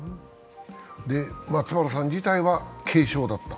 松原さん自体は軽症だった？